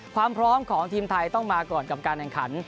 ความพร้อมของทีมไทยต้องมาก่อนกับการแข่งขัน